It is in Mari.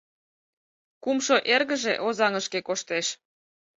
Кумшо эргыже Озаҥышке коштеш.